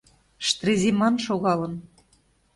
Штреземан шогалын.